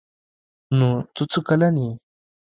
_نوته څو کلن يې؟